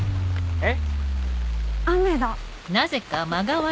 えっ？